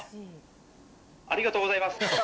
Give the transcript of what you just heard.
ありがとうございます。